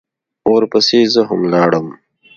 ورپسې زه هم لاړم.